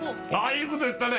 いいこと言ったね